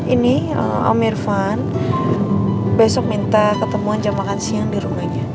ini amirvan besok minta ketemuan jam makan siang di rumahnya